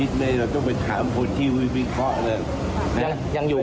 หมายถึงว่าท่านยังเป็นหัวหน้าพระพลังประชาระฟะ